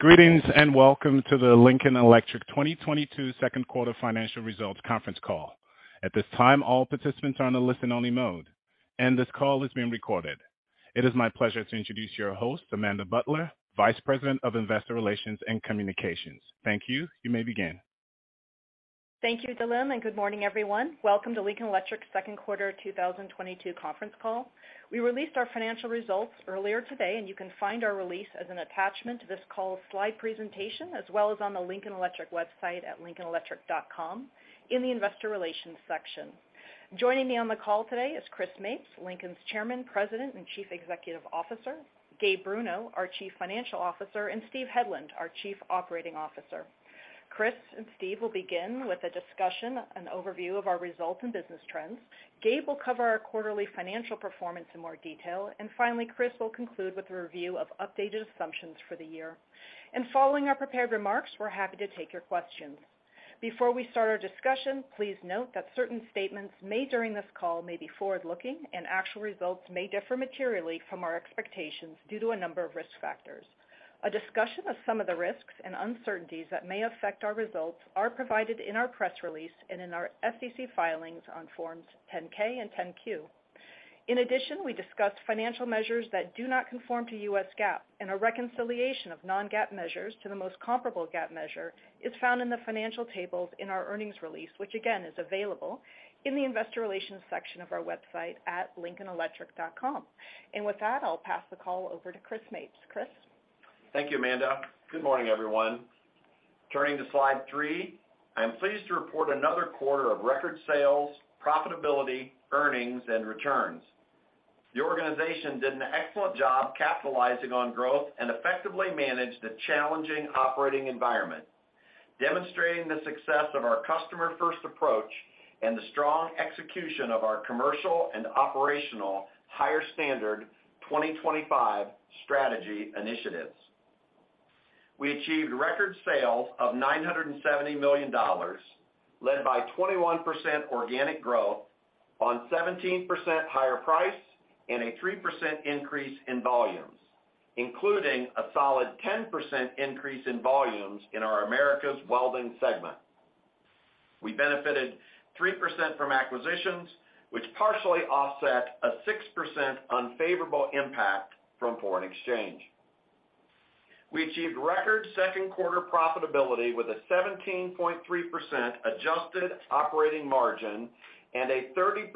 Greetings, and welcome to the Lincoln Electric 2022 Second Quarter Financial Results Conference Call. At this time, all participants are on a listen-only mode, and this call is being recorded. It is my pleasure to introduce your host, Amanda Butler, Vice President of Investor Relations and Communications. Thank you. You may begin. Thank you, Dylan, and good morning, everyone. Welcome to Lincoln Electric second quarter 2022 conference call. We released our financial results earlier today, and you can find our release as an attachment to this call's slide presentation as well as on the Lincoln Electric website at lincolnelectric.com in the investor relations section. Joining me on the call today is Chris Mapes, Lincoln's Chairman, President, and Chief Executive Officer, Gabe Bruno, our Chief Financial Officer, and Steve Hedlund, our Chief Operating Officer. Chris and Steve will begin with a discussion and overview of our results and business trends. Gabe will cover our quarterly financial performance in more detail. Finally, Chris will conclude with a review of updated assumptions for the year. Following our prepared remarks, we're happy to take your questions. Before we start our discussion, please note that certain statements made during this call may be forward-looking, and actual results may differ materially from our expectations due to a number of risk factors. A discussion of some of the risks and uncertainties that may affect our results are provided in our press release and in our SEC filings on Forms 10-K and 10-Q. In addition, we discuss financial measures that do not conform to U.S. GAAP, and a reconciliation of non-GAAP measures to the most comparable GAAP measure is found in the financial tables in our earnings release, which again is available in the investor relations section of our website at lincolnelectric.com. With that, I'll pass the call over to Chris Mapes. Chris? Thank you, Amanda. Good morning, everyone. Turning to slide three, I am pleased to report another quarter of record sales, profitability, earnings, and returns. The organization did an excellent job capitalizing on growth and effectively managed a challenging operating environment, demonstrating the success of our customer-first approach and the strong execution of our commercial and operational Higher Standard 2025 Strategy initiatives. We achieved record sales of $970 million, led by 21% organic growth on 17% higher price and a 3% increase in volumes, including a solid 10% increase in volumes in our Americas Welding segment. We benefited 3% from acquisitions, which partially offset a 6% unfavorable impact from foreign exchange. We achieved record second quarter profitability with a 17.3% adjusted operating margin and a 30%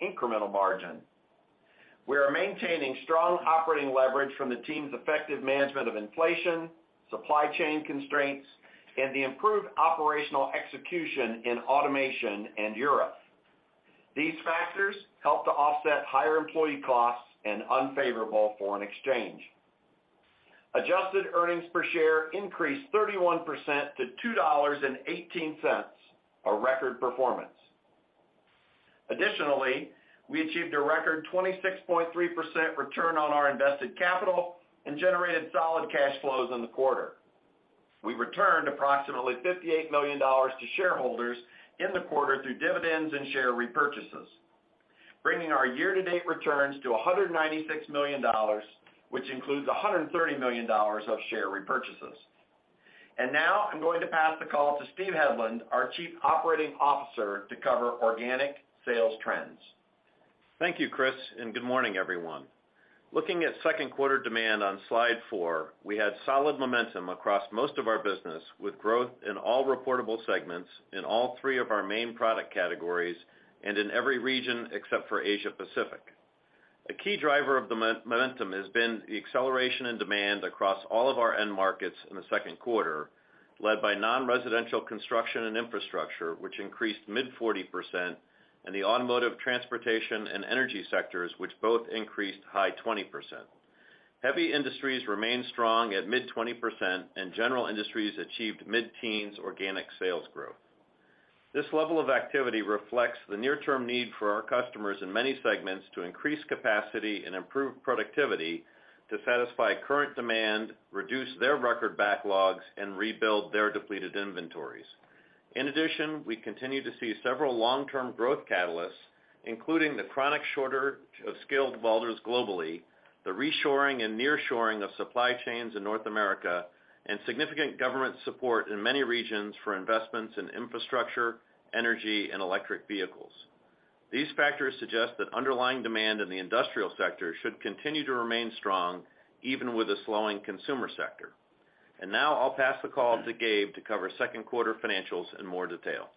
incremental margin. We are maintaining strong operating leverage from the team's effective management of inflation, supply chain constraints, and the improved operational execution in automation and Europe. These factors help to offset higher employee costs and unfavorable foreign exchange. Adjusted earnings per share increased 31% to $2.18, a record performance. Additionally, we achieved a record 26.3% return on our invested capital and generated solid cash flows in the quarter. We returned approximately $58 million to shareholders in the quarter through dividends and share repurchases, bringing our year-to-date returns to $196 million, which includes $130 million of share repurchases. Now I'm going to pass the call to Steve Hedlund, our Chief Operating Officer, to cover organic sales trends. Thank you, Chris, and good morning, everyone. Looking at second quarter demand on slide four, we had solid momentum across most of our business, with growth in all reportable segments in all three of our main product categories and in every region, except for Asia Pacific. A key driver of the momentum has been the acceleration in demand across all of our end markets in the second quarter, led by non-residential construction and infrastructure, which increased mid 40%, and the automotive, transportation, and energy sectors, which both increased high 20%. Heavy industries remain strong at mid 20%, and general industries achieved mid-teens organic sales growth. This level of activity reflects the near-term need for our customers in many segments to increase capacity and improve productivity to satisfy current demand, reduce their record backlogs, and rebuild their depleted inventories. In addition, we continue to see several long-term growth catalysts, including the chronic shortage of skilled welders globally, the reshoring and nearshoring of supply chains in North America, and significant government support in many regions for investments in infrastructure, energy, and electric vehicles. These factors suggest that underlying demand in the industrial sector should continue to remain strong, even with a slowing consumer sector. Now I'll pass the call to Gabe to cover second quarter financials in more detail.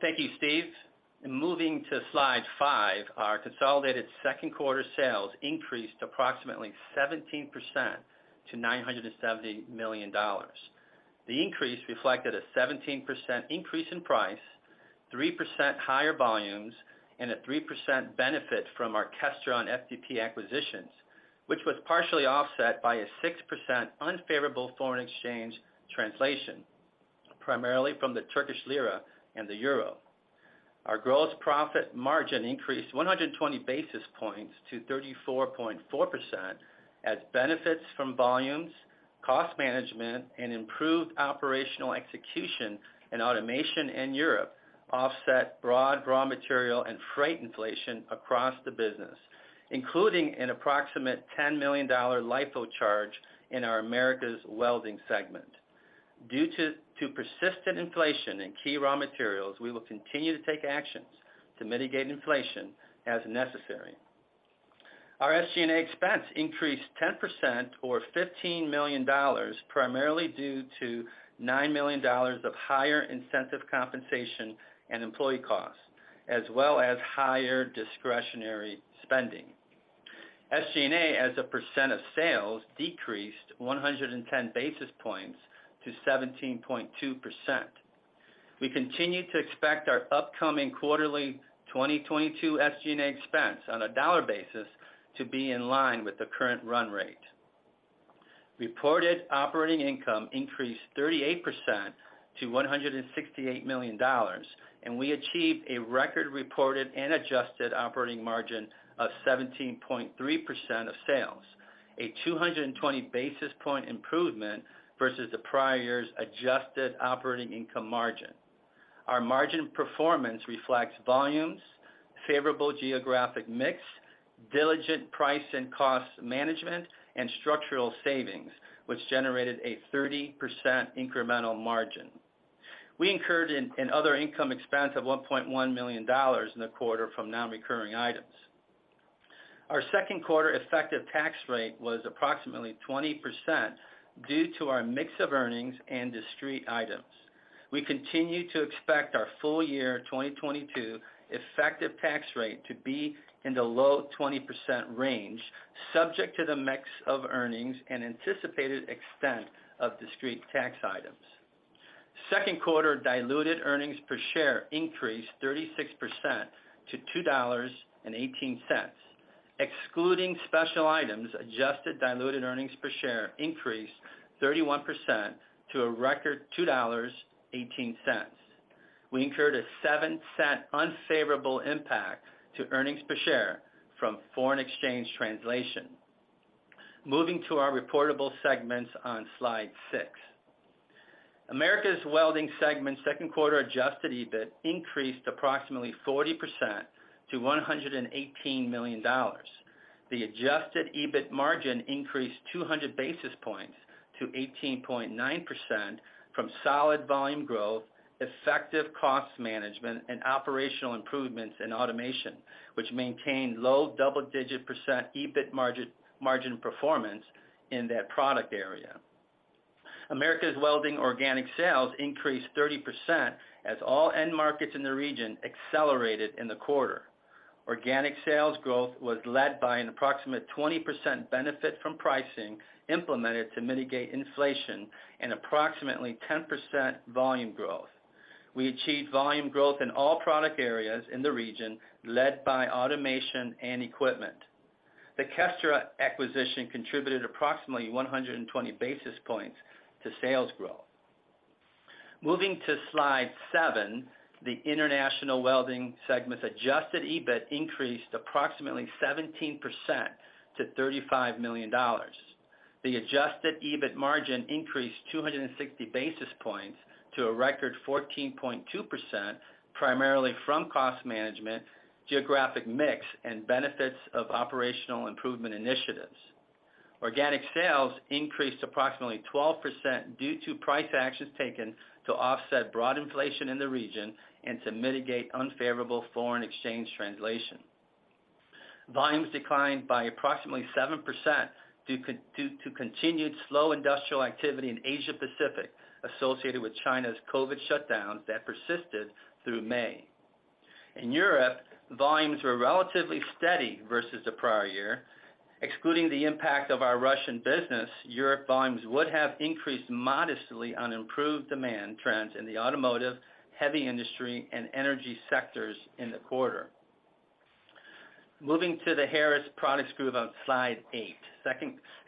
Thank you, Steve. Moving to slide five, our consolidated second quarter sales increased approximately 17% to $970 million. The increase reflected a 17% increase in price, 3% higher volumes, and a 3% benefit from our Kestra and Fori acquisitions, which was partially offset by a 6% unfavorable foreign exchange translation, primarily from the Turkish lira and the euro. Our gross profit margin increased 120 basis points to 34.4% as benefits from volumes, cost management and improved operational execution and automation in Europe offset broad raw material and freight inflation across the business, including an approximate $10 million LIFO charge in our Americas Welding segment. Due to persistent inflation in key raw materials, we will continue to take actions to mitigate inflation as necessary. Our SG&A expense increased 10% or $15 million, primarily due to $9 million of higher incentive compensation and employee costs, as well as higher discretionary spending. SG&A, as a percent of sales, decreased 110 basis points to 17.2%. We continue to expect our upcoming quarterly 2022 SG&A expense on a dollar basis to be in line with the current run rate. Reported operating income increased 38% to $168 million, and we achieved a record reported and adjusted operating margin of 17.3% of sales, a 220 basis point improvement versus the prior year's adjusted operating income margin. Our margin performance reflects volumes, favorable geographic mix, diligent price and cost management, and structural savings, which generated a 30% incremental margin. We incurred other income expense of $1.1 million in the quarter from non-recurring items. Our second quarter effective tax rate was approximately 20% due to our mix of earnings and discrete items. We continue to expect our full year 2022 effective tax rate to be in the low 20% range, subject to the mix of earnings and anticipated extent of discrete tax items. Second quarter diluted earnings per share increased 36% to $2.18. Excluding special items, adjusted diluted earnings per share increased 31% to a record $2.18. We incurred a $0.07 unfavorable impact to earnings per share from foreign exchange translation. Moving to our reportable segments on slide six. Americas Welding segment second quarter adjusted EBIT increased approximately 40% to $118 million. The adjusted EBIT margin increased 200 basis points to 18.9% from solid volume growth, effective cost management, and operational improvements in automation, which maintained low double-digit % EBIT margin performance in that product area. Americas Welding organic sales increased 30% as all end markets in the region accelerated in the quarter. Organic sales growth was led by an approximate 20% benefit from pricing implemented to mitigate inflation and approximately 10% volume growth. We achieved volume growth in all product areas in the region, led by automation and equipment. The Kestra acquisition contributed approximately 120 basis points to sales growth. Moving to slide seven, the International Welding segment's adjusted EBIT increased approximately 17% to $35 million. The adjusted EBIT margin increased 260 basis points to a record 14.2%, primarily from cost management, geographic mix, and benefits of operational improvement initiatives. Organic sales increased approximately 12% due to price actions taken to offset broad inflation in the region and to mitigate unfavorable foreign exchange translation. Volumes declined by approximately 7% due to continued slow industrial activity in Asia-Pacific associated with China's COVID shutdowns that persisted through May. In Europe, volumes were relatively steady versus the prior year. Excluding the impact of our Russian business, Europe volumes would have increased modestly on improved demand trends in the automotive, heavy industry, and energy sectors in the quarter. Moving to the Harris Products Group on slide eight.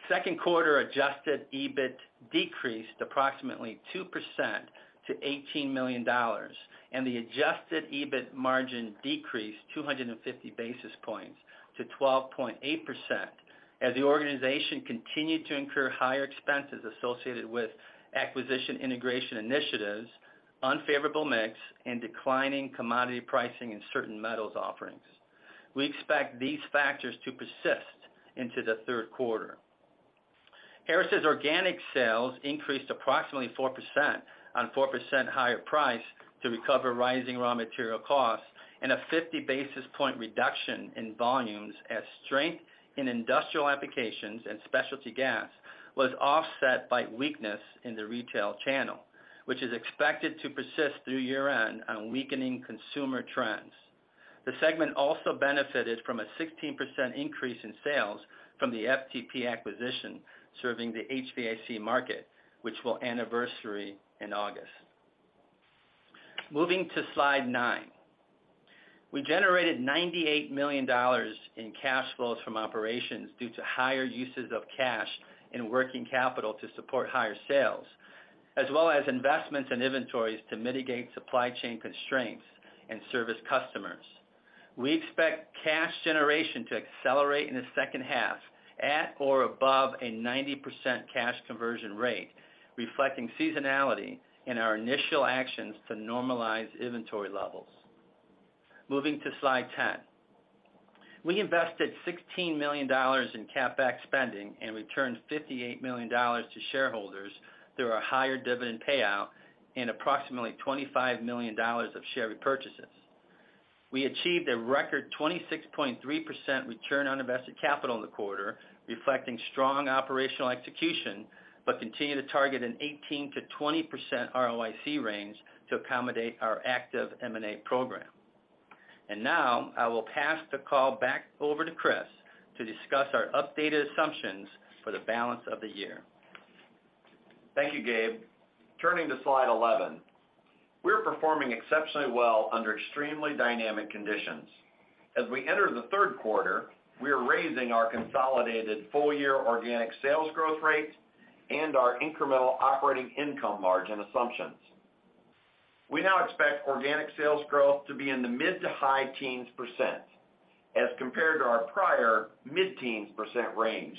Second quarter adjusted EBIT decreased approximately 2% to $18 million, and the adjusted EBIT margin decreased 250 basis points to 12.8% as the organization continued to incur higher expenses associated with acquisition integration initiatives, unfavorable mix, and declining commodity pricing in certain metals offerings. We expect these factors to persist into the third quarter. Harris' organic sales increased approximately 4% on 4% higher price to recover rising raw material costs and a 50 basis point reduction in volumes as strength in industrial applications and specialty gas was offset by weakness in the retail channel, which is expected to persist through year-end on weakening consumer trends. The segment also benefited from a 16% increase in sales from the FTP acquisition serving the HVAC market, which will anniversary in August. Moving to slide nine. We generated $98 million in cash flows from operations due to higher uses of cash and working capital to support higher sales. As well as investments in inventories to mitigate supply chain constraints and service customers. We expect cash generation to accelerate in the second half at or above a 90% cash conversion rate, reflecting seasonality in our initial actions to normalize inventory levels. Moving to Slide 10. We invested $16 million in CapEx spending and returned $58 million to shareholders through a higher dividend payout and approximately $25 million of share repurchases. We achieved a record 26.3% return on invested capital in the quarter, reflecting strong operational execution, but continue to target an 18% to 20% ROIC range to accommodate our active M&A program. Now, I will pass the call back over to Chris to discuss our updated assumptions for the balance of the year. Thank you, Gabe. Turning to slide 11. We are performing exceptionally well under extremely dynamic conditions. As we enter the third quarter, we are raising our consolidated full-year organic sales growth rate and our incremental operating income margin assumptions. We now expect organic sales growth to be in the mid- to high-teens % as compared to our prior mid-teens % range,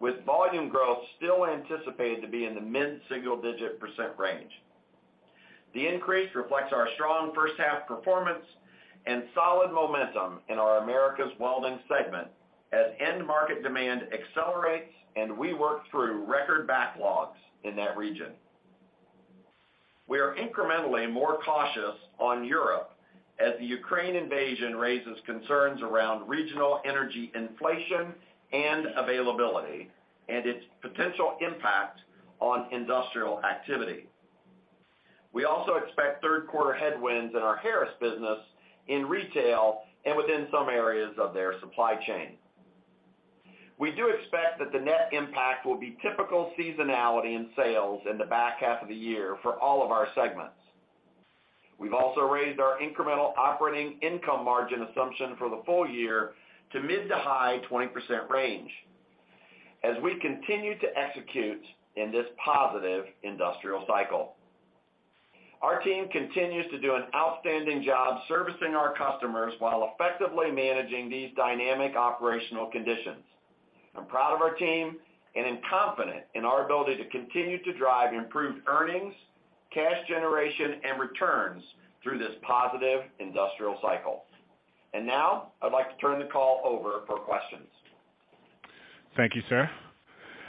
with volume growth still anticipated to be in the mid-single-digit % range. The increase reflects our strong first half performance and solid momentum in our Americas Welding segment as end market demand accelerates and we work through record backlogs in that region. We are incrementally more cautious on Europe as the Ukraine invasion raises concerns around regional energy inflation and availability and its potential impact on industrial activity. We also expect third quarter headwinds in our Harris business in retail and within some areas of their supply chain. We do expect that the net impact will be typical seasonality in sales in the back half of the year for all of our segments. We've also raised our incremental operating income margin assumption for the full year to mid- to high-20% range as we continue to execute in this positive industrial cycle. Our team continues to do an outstanding job servicing our customers while effectively managing these dynamic operational conditions. I'm proud of our team and am confident in our ability to continue to drive improved earnings, cash generation, and returns through this positive industrial cycle. Now I'd like to turn the call over for questions. Thank you, sir.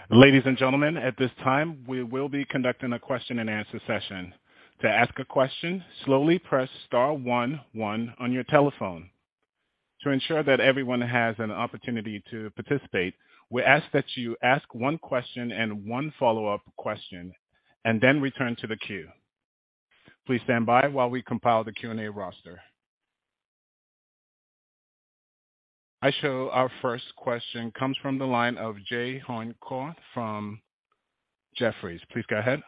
Ladies and gentlemen, at this time, we will be conducting a question-and-answer session. To ask a question, slowly press star one one on your telephone. To ensure that everyone has an opportunity to participate, we ask that you ask one question and one follow-up question and then return to the queue. Please stand by while we compile the Q&A roster. I show our first question comes from the line of Saree Boroditsky from Jefferies. Please go ahead.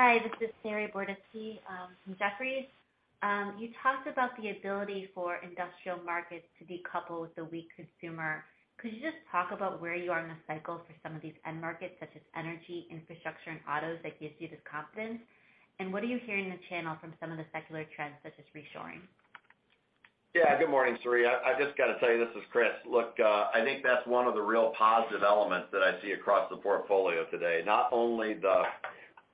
Hi, this is Saree Boroditsky from Jefferies. You talked about the ability for industrial markets to decouple with the weak consumer. Could you just talk about where you are in the cycle for some of these end markets, such as energy, infrastructure, and autos that gives you this confidence? What are you hearing in the channel from some of the secular trends such as reshoring? Yeah. Good morning, Saree. I just got to tell you, this is Chris. Look, I think that's one of the real positive elements that I see across the portfolio today. Not only the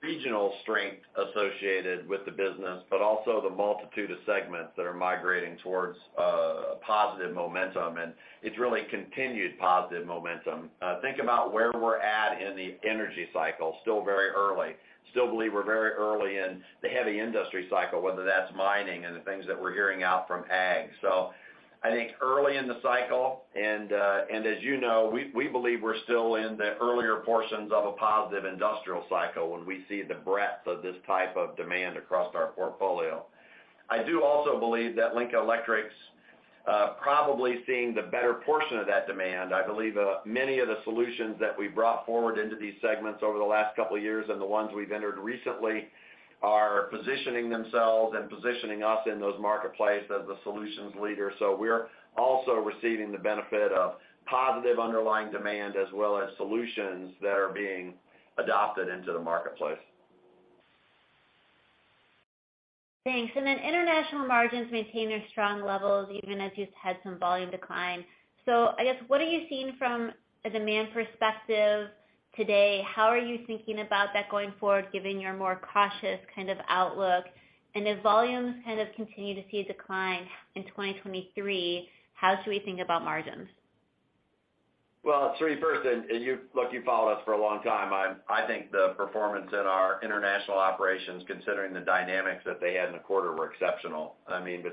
regional strength associated with the business, but also the multitude of segments that are migrating towards positive momentum, and it's really continued positive momentum. Think about where we're at in the energy cycle, still very early. Still believe we're very early in the heavy industry cycle, whether that's mining and the things that we're hearing about from ag. I think early in the cycle, and as you know, we believe we're still in the earlier portions of a positive industrial cycle when we see the breadth of this type of demand across our portfolio. I do also believe that Lincoln Electric's probably seeing the better portion of that demand. I believe many of the solutions that we brought forward into these segments over the last couple of years and the ones we've entered recently are positioning themselves and positioning us in those marketplace as the solutions leader. We're also receiving the benefit of positive underlying demand as well as solutions that are being adopted into the marketplace. Thanks. Then international margins maintain their strong levels even as you've had some volume decline. I guess, what are you seeing from a demand perspective today? How are you thinking about that going forward, given your more cautious kind of outlook? If volumes kind of continue to see a decline in 2023, how should we think about margins? Well, Saree, first, look, you've followed us for a long time. I think the performance in our international operations, considering the dynamics that they had in the quarter, were exceptional. I mean,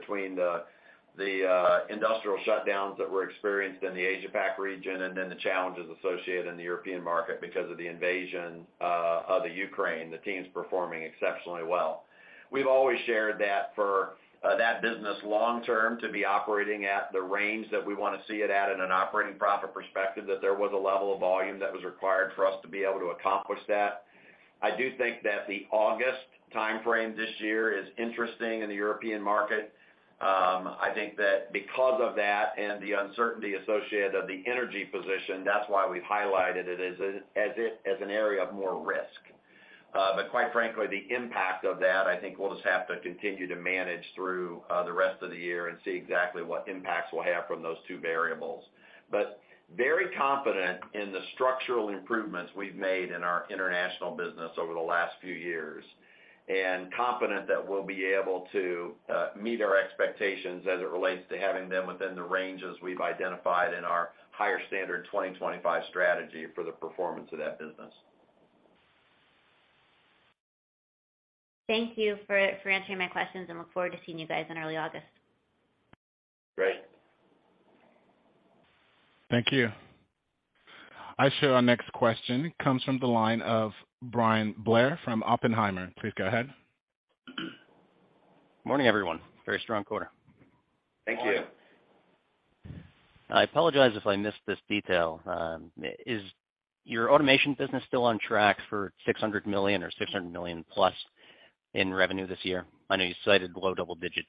between the industrial shutdowns that were experienced in the Asia Pac region and then the challenges associated in the European market because of the invasion of the Ukraine, the team's performing exceptionally well. We've always shared that for that business long term to be operating at the range that we wanna see it at in an operating profit perspective, that there was a level of volume that was required for us to be able to accomplish that. I do think that the August timeframe this year is interesting in the European market. I think that because of that and the uncertainty associated with the energy position, that's why we've highlighted it as an area of more risk. Quite frankly, the impact of that, I think we'll just have to continue to manage through the rest of the year and see exactly what impacts we'll have from those two variables. Very confident in the structural improvements we've made in our international business over the last few years, and confident that we'll be able to meet our expectations as it relates to having them within the ranges we've identified in our Higher Standard 2025 Strategy for the performance of that business. Thank you for answering my questions, and look forward to seeing you guys in early August. Great. Thank you. I show our next question comes from the line of Bryan Blair from Oppenheimer. Please go ahead. Morning, everyone. Very strong quarter. Thank you. I apologize if I missed this detail. Is your automation business still on track for $600 million or $600 million+ in revenue this year? I know you cited low double-digit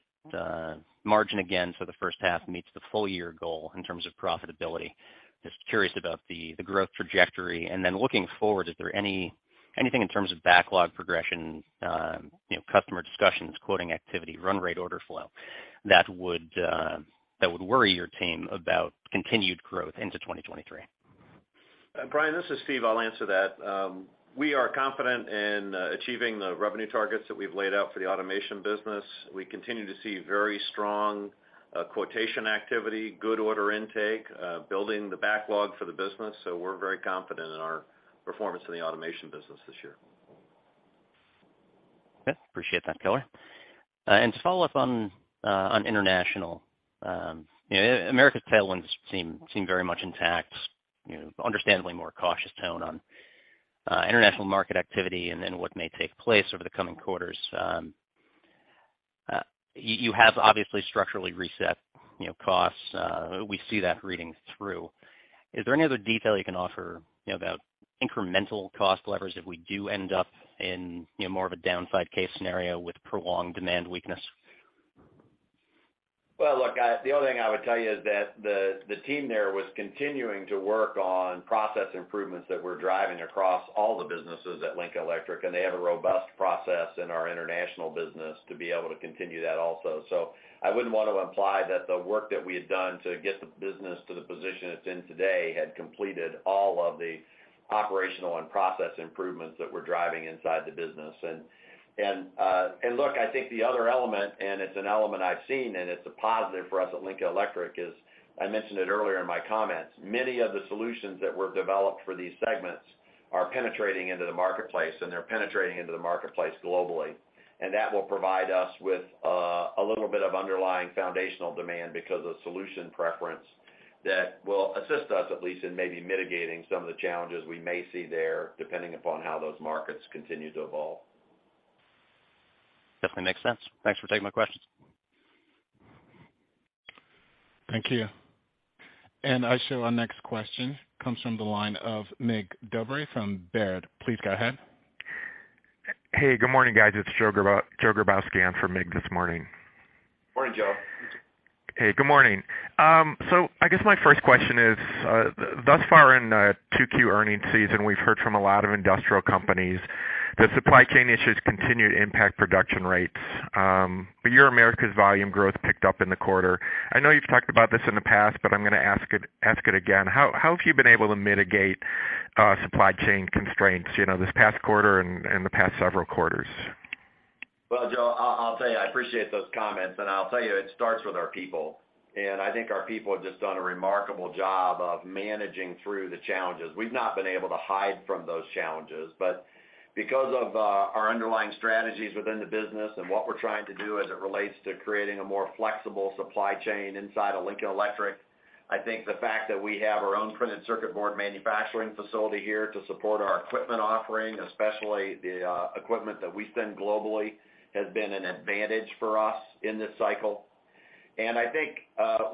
margin again for the first half meets the full year goal in terms of profitability. Just curious about the growth trajectory. Looking forward, is there anything in terms of backlog progression, customer discussions, quoting activity, run rate order flow that would worry your team about continued growth into 2023? Bryan, this is Steven. I'll answer that. We are confident in achieving the revenue targets that we've laid out for the automation business. We continue to see very strong quotation activity, good order intake, building the backlog for the business. We're very confident in our performance in the automation business this year. Okay. Appreciate that color. To follow up on international, you know, Americas tailwinds seem very much intact, you know, understandably more cautious tone on international market activity and then what may take place over the coming quarters. You have obviously structurally reset, you know, costs. We see that reading through. Is there any other detail you can offer, you know, about incremental cost leverage if we do end up in, you know, more of a downside case scenario with prolonged demand weakness? Well, look, the other thing I would tell you is that the team there was continuing to work on process improvements that we're driving across all the businesses at Lincoln Electric, and they have a robust process in our international business to be able to continue that also. I wouldn't want to imply that the work that we had done to get the business to the position it's in today had completed all of the operational and process improvements that we're driving inside the business. Look, I think the other element, and it's an element I've seen, and it's a positive for us at Lincoln Electric, is, I mentioned it earlier in my comments, many of the solutions that were developed for these segments are penetrating into the marketplace, and they're penetrating into the marketplace globally. That will provide us with a little bit of underlying foundational demand because of solution preference that will assist us, at least, in maybe mitigating some of the challenges we may see there, depending upon how those markets continue to evolve. Definitely makes sense. Thanks for taking my questions. Thank you. I show our next question comes from the line of Mig Dobre from Baird. Please go ahead. Hey, good morning, guys. It's Joseph Grabowski in for Mig Dobre this morning. Morning, Joe. Hey, good morning. I guess my first question is, thus far in 2Q earnings season, we've heard from a lot of industrial companies that supply chain issues continue to impact production rates, but your Americas volume growth picked up in the quarter. I know you've talked about this in the past, but I'm gonna ask it again. How have you been able to mitigate supply chain constraints, you know, this past quarter and the past several quarters? Well, Joe, I'll tell you, I appreciate those comments. I'll tell you, it starts with our people. I think our people have just done a remarkable job of managing through the challenges. We've not been able to hide from those challenges, but because of our underlying strategies within the business and what we're trying to do as it relates to creating a more flexible supply chain inside of Lincoln Electric, I think the fact that we have our own printed circuit board manufacturing facility here to support our equipment offering, especially the equipment that we send globally, has been an advantage for us in this cycle. I think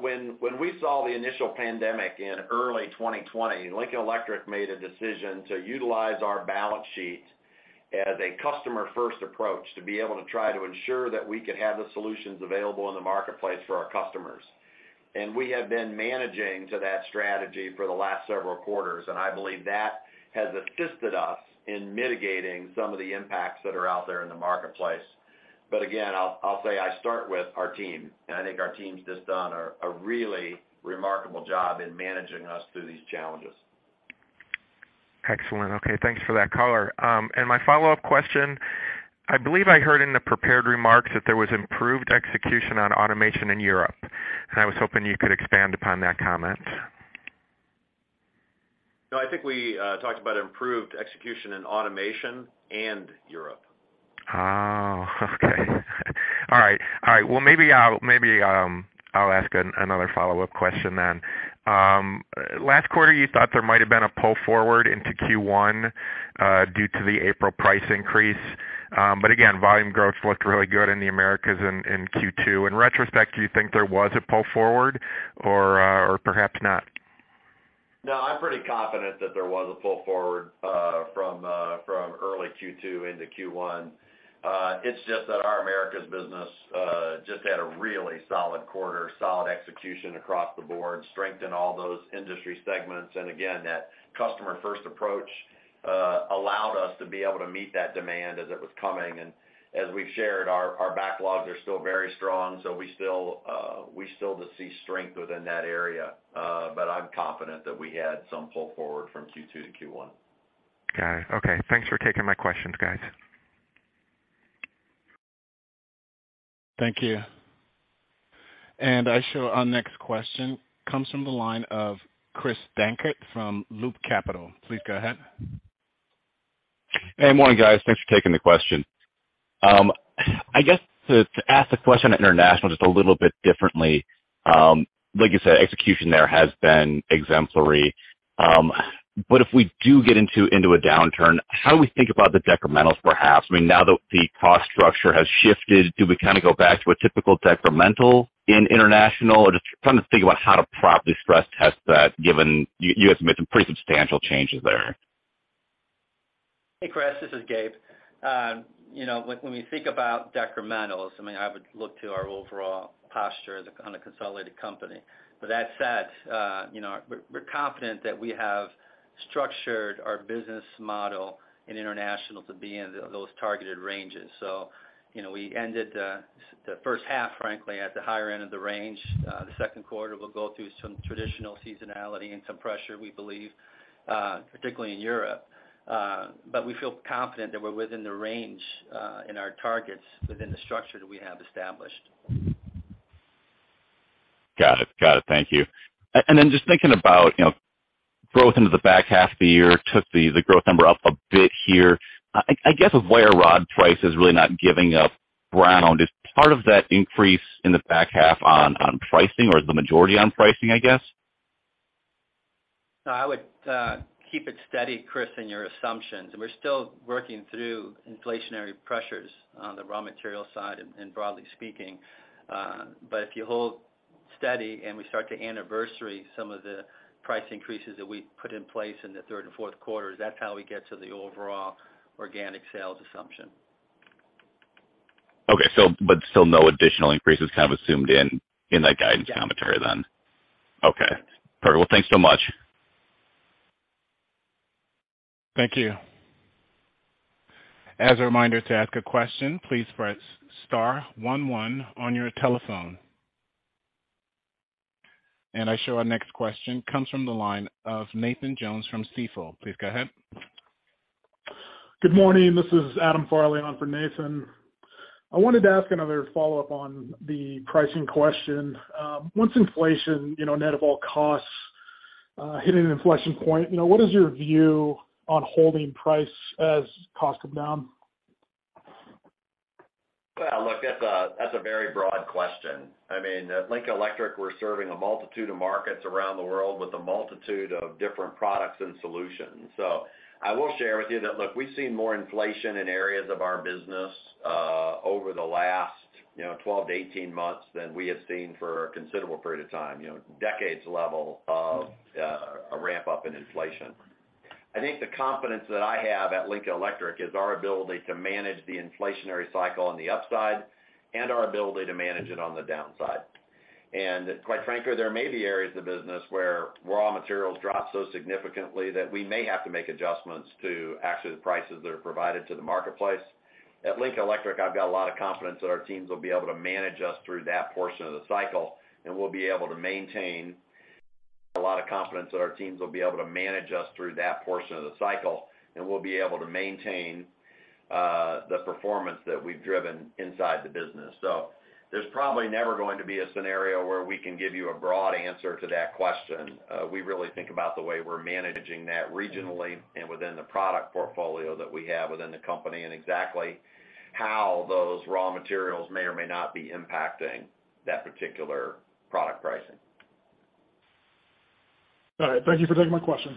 when we saw the initial pandemic in early 2020, Lincoln Electric made a decision to utilize our balance sheet as a customer-first approach to be able to try to ensure that we could have the solutions available in the marketplace for our customers. We have been managing to that strategy for the last several quarters, and I believe that has assisted us in mitigating some of the impacts that are out there in the marketplace. Again, I'll say I start with our team, and I think our team's just done a really remarkable job in managing us through these challenges. Excellent. Okay. Thanks for that color. My follow-up question, I believe I heard in the prepared remarks that there was improved execution on automation in Europe, and I was hoping you could expand upon that comment. No, I think we talked about improved execution in automation and Europe. Oh, okay. All right. Well, maybe I'll ask another follow-up question then. Last quarter, you thought there might've been a pull forward into Q1 due to the April price increase. Again, volume growth looked really good in the Americas in Q2. In retrospect, do you think there was a pull forward or perhaps not? No, I'm pretty confident that there was a pull forward from early Q2 into Q1. It's just that our Americas business just had a really solid quarter, solid execution across the board, strength in all those industry segments. Again, that customer-first approach allowed us to be able to meet that demand as it was coming. As we've shared, our backlogs are still very strong, so we still see strength within that area. I'm confident that we had some pull forward from Q2 to Q1. Got it. Okay, thanks for taking my questions, guys. Thank you. I show our next question comes from the line of Chris Dankert from Loop Capital. Please go ahead. Hey, morning, guys. Thanks for taking the question. I guess to ask the question on international just a little bit differently, like you said, execution there has been exemplary. If we do get into a downturn, how do we think about the decrementals perhaps? I mean, now that the cost structure has shifted, do we kind of go back to a typical decremental in international? Or just trying to think about how to properly stress test that given you guys have made some pretty substantial changes there. Hey, Chris, this is Gabe. You know, when we think about decrementals, I mean, I would look to our overall posture as a kind of consolidated company. That said, you know, we're confident that we have structured our business model in international to be in those targeted ranges. You know, we ended the first half, frankly, at the higher end of the range. The second quarter will go through some traditional seasonality and some pressure, we believe, particularly in Europe. We feel confident that we're within the range, in our targets within the structure that we have established. Got it. Thank you. Just thinking about, you know, growth into the back half of the year, took the growth number up a bit here. I guess with wire rod prices really not giving up ground, is part of that increase in the back half on pricing or is the majority on pricing, I guess? No, I would keep it steady, Chris, in your assumptions. We're still working through inflationary pressures on the raw material side and broadly speaking. If you hold steady and we start to anniversary some of the price increases that we put in place in the third and fourth quarters, that's how we get to the overall organic sales assumption. Okay. Still no additional increases kind of assumed in that guidance commentary then? Yeah. Okay. All right. Well, thanks so much. Thank you. As a reminder to ask a question, please press star one one on your telephone. I show our next question comes from the line of Nathan Jones from Stifel. Please go ahead. Good morning. This is Adam Farley on for Nathan. I wanted to ask another follow-up on the pricing question. Once inflation, you know, net of all costs, hit an inflection point, you know, what is your view on holding price as costs come down? Well, look, that's a very broad question. I mean, at Lincoln Electric, we're serving a multitude of markets around the world with a multitude of different products and solutions. So I will share with you that, look, we've seen more inflation in areas of our business over the last, you know, 12 to 18 months than we have seen for a considerable period of time. You know, decades level of a ramp up in inflation. I think the confidence that I have at Lincoln Electric is our ability to manage the inflationary cycle on the upside and our ability to manage it on the downside. Quite frankly, there may be areas of business where raw materials drop so significantly that we may have to make adjustments to actually the prices that are provided to the marketplace. At Lincoln Electric, I've got a lot of confidence that our teams will be able to manage us through that portion of the cycle, and we'll be able to maintain the performance that we've driven inside the business. There's probably never going to be a scenario where we can give you a broad answer to that question. We really think about the way we're managing that regionally and within the product portfolio that we have within the company, and exactly how those raw materials may or may not be impacting that particular product pricing. All right. Thank you for taking my question.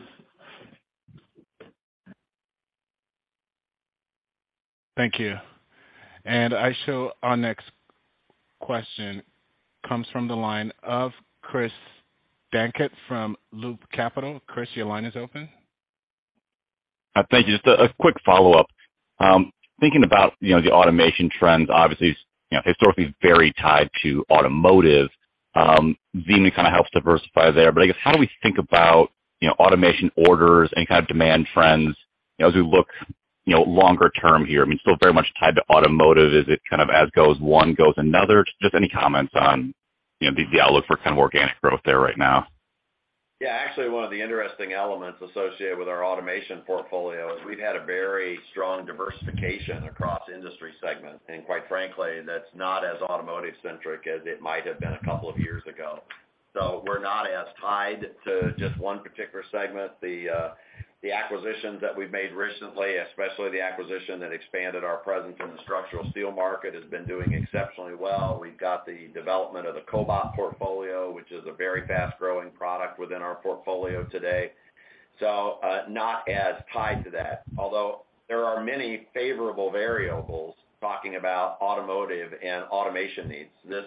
Thank you. I show our next question comes from the line of Chris Dankert from Loop Capital. Chris, your line is open. Thank you. Just a quick follow-up. Thinking about, you know, the automation trends, obviously, you know, historically very tied to automotive, kind of helps diversify there. I guess how do we think about, you know, automation orders and kind of demand trends, you know, as we look, you know, longer term here? I mean, still very much tied to automotive. Is it kind of as goes one, goes another? Just any comments on, you know, the outlook for kind of organic growth there right now. Yeah, actually one of the interesting elements associated with our automation portfolio is we've had a very strong diversification across industry segments. Quite frankly, that's not as automotive centric as it might have been a couple of years ago. We're not as tied to just one particular segment. The acquisitions that we've made recently, especially the acquisition that expanded our presence in the structural steel market, has been doing exceptionally well. We've got the development of the cobot portfolio, which is a very fast-growing product within our portfolio today. Not as tied to that. Although there are many favorable variables talking about automotive and automation needs. This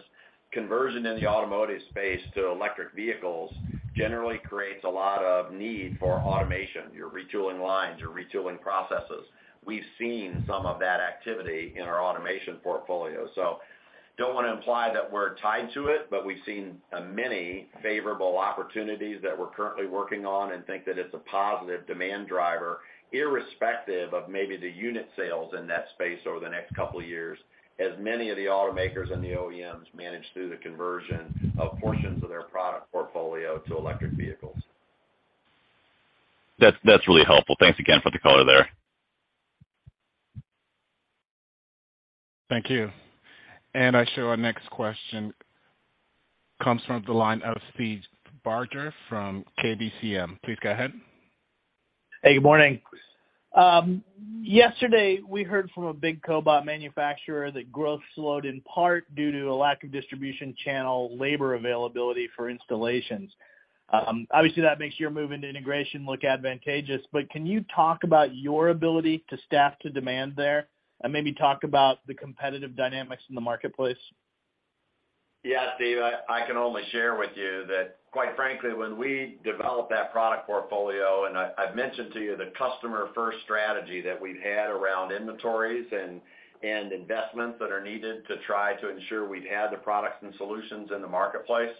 conversion in the automotive space to electric vehicles generally creates a lot of need for automation, you're retooling lines, you're retooling processes. We've seen some of that activity in our automation portfolio. don't wanna imply that we're tied to it, but we've seen many favorable opportunities that we're currently working on and think that it's a positive demand driver, irrespective of maybe the unit sales in that space over the next couple of years, as many of the automakers and the OEMs manage through the conversion of portions of their product portfolio to electric vehicles. That's really helpful. Thanks again for the color there. Thank you. I show our next question comes from the line of Steve Barger from KBCM. Please go ahead. Hey, good morning. Yesterday, we heard from a big cobot manufacturer that growth slowed in part due to a lack of distribution channel labor availability for installations. Obviously, that makes your move into integration look advantageous. Can you talk about your ability to staff to demand there, and maybe talk about the competitive dynamics in the marketplace? Yeah, Steve, I can only share with you that quite frankly, when we developed that product portfolio, and I've mentioned to you the customer-first strategy that we've had around inventories and investments that are needed to try to ensure we've had the products and solutions in the marketplace.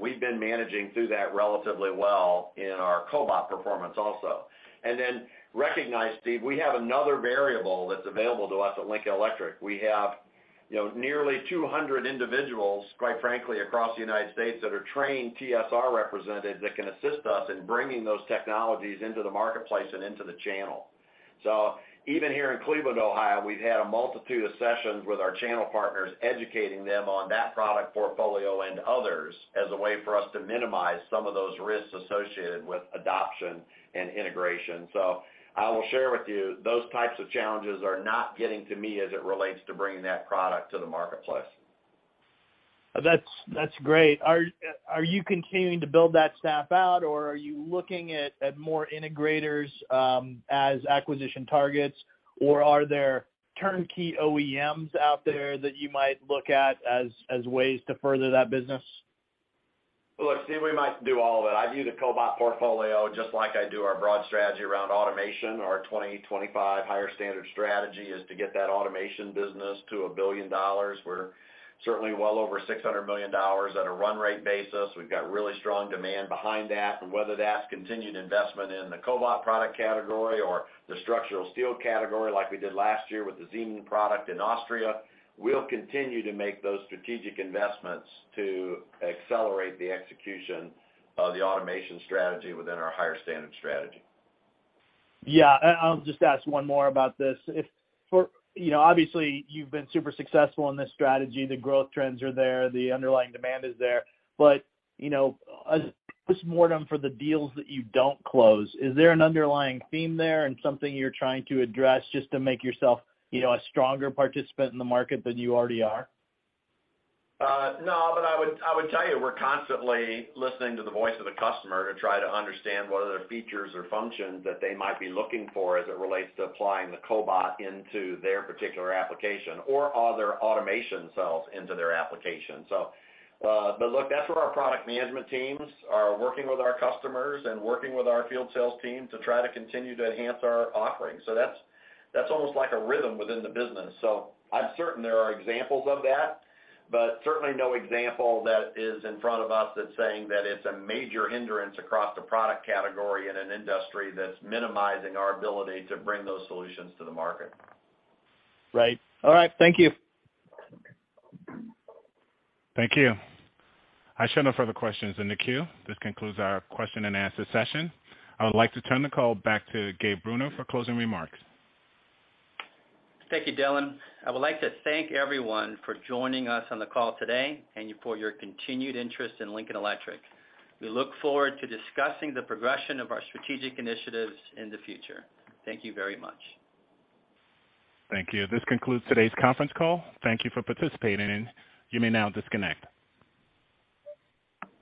We've been managing through that relatively well in our cobot performance also. Recognize, Steve, we have another variable that's available to us at Lincoln Electric. We have, you know, nearly 200 individuals, quite frankly, across the United States that are trained TSR representatives that can assist us in bringing those technologies into the marketplace and into the channel. Even here in Cleveland, Ohio, we've had a multitude of sessions with our channel partners, educating them on that product portfolio and others as a way for us to minimize some of those risks associated with adoption and integration. I will share with you, those types of challenges are not getting to me as it relates to bringing that product to the marketplace. That's great. Are you continuing to build that staff out, or are you looking at more integrators as acquisition targets? Or are there turnkey OEMs out there that you might look at as ways to further that business? Look, Steve, we might do all of it. I view the cobot portfolio just like I do our broad strategy around automation. Our 2025 Higher Standard Strategy is to get that automation business to $1 billion. We're certainly well over $600 million on a run rate basis. We've got really strong demand behind that. Whether that's continued investment in the cobot product category or the structural steel category, like we did last year with the Zeman product in Austria, we'll continue to make those strategic investments to accelerate the execution of the automation strategy within our Higher Standard Strategy. Yeah. I'll just ask one more about this. If for, you know, obviously, you've been super successful in this strategy. The growth trends are there, the underlying demand is there. You know, a post-mortem for the deals that you don't close, is there an underlying theme there and something you're trying to address just to make yourself, you know, a stronger participant in the market than you already are? No, I would tell you, we're constantly listening to the voice of the customer to try to understand what other features or functions that they might be looking for as it relates to applying the cobot into their particular application or other automation cells into their application. Look, that's where our product management teams are working with our customers and working with our field sales team to try to continue to enhance our offerings. That's almost like a rhythm within the business. I'm certain there are examples of that, but certainly no example that is in front of us that's saying that it's a major hindrance across the product category in an industry that's minimizing our ability to bring those solutions to the market. Right. All right. Thank you. Thank you. I show no further questions in the queue. This concludes our question and answer session. I would like to turn the call back to Gabe Bruno for closing remarks. Thank you, Dylan. I would like to thank everyone for joining us on the call today and you for your continued interest in Lincoln Electric. We look forward to discussing the progression of our strategic initiatives in the future. Thank you very much. Thank you. This concludes today's conference call. Thank you for participating. You may now disconnect.